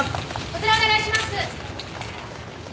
こちらお願いします。